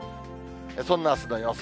そんなあすの予想